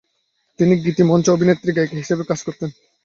তিনি গীতিমঞ্চে অভিনেত্রী ও গায়িকা হিসেবে কাজ করতেন।